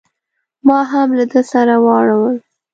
ما هم له ده سره واړول.